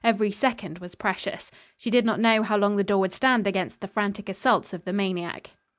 Every second was precious. She did not know how long the door would stand against the frantic assaults of the maniac.